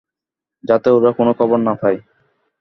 যাতে ওরা কোনো খবর না পায়।